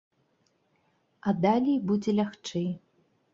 А далей будзе лягчэй.